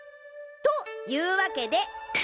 というわけで。